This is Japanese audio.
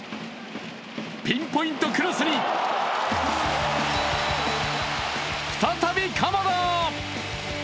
ピンポイントクロスに再び鎌田。